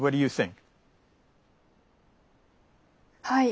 はい。